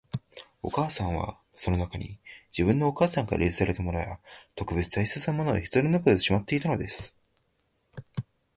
お母さんは、その中に、自分のお母さんから譲られたものや、特別大切なものを一つ残らずしまっていたのです